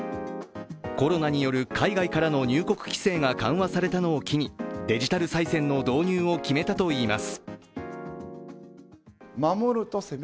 コロナによる海外からの入国規制を緩和されたのを機にデジタルさい銭の導入を決めたといいます。